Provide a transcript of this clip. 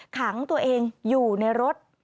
ขังตัวเองอยู่ในรถ